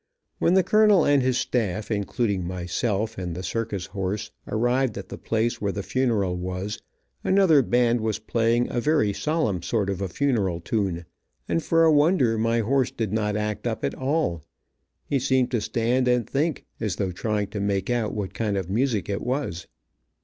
When the colonel and his staff, including myself and the circus horse, arrived at the place where the funeral was, another band was playing a very solemn sort of a funeral tune, and for a wonder my horse did not act up at all. He seemed to stand and think, as though trying to make out what kind of music it was.